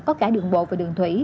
có cả đường bộ và đường thủy